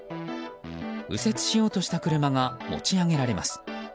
右折しようとした車が持ち上げられます。